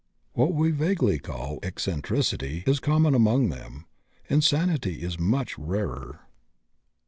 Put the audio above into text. What we vaguely call "eccentricity" is common among them; insanity is much rarer.